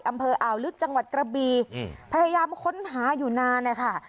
อ่าวลึกจังหวัดกระบีอืมพยายามค้นหาอยู่นานนะคะ